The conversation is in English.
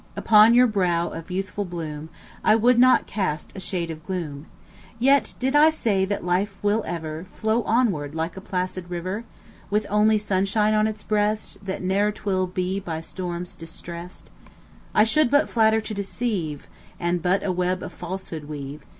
Upon your brow of youthful bloom I would not cast a shade of gloom; Yet did I say that life will ever Flow onward like a placid river, With only sunshine on its breast, That ne'er 'twill be by storms distressed, I should but flatter to deceive, And but a web of falsehood weave.